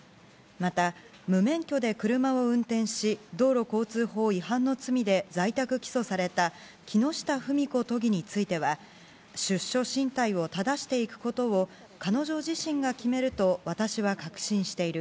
また、無免許で車を運転し道路交通法違反の罪で在宅起訴された木下富美子都議については出処進退をただしていくことを彼女自身が決めると私は確信している。